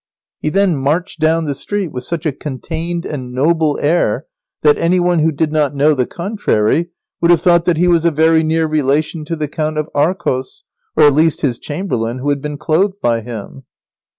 ] He then marched down the street with such a contained and noble air that any one who did not know the contrary would have thought that he was a very near relation to the Count of Arcos, or at least his chamberlain who had been clothed by him.